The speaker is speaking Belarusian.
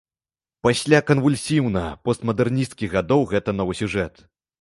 Пасля канвульсіўна-постмадэрнісцкіх гадоў гэта новы сюжэт.